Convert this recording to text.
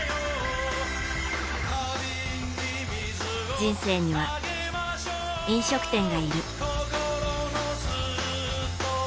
人生には、飲食店がいる。